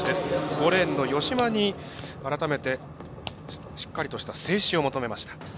５レーンの吉間に改めてしっかりとした静止を求めました。